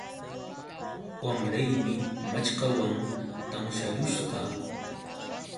Wamraymi maćhkawan tansharusqa